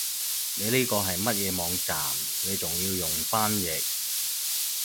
你呢個係乜嘢網站你仲要用翻譯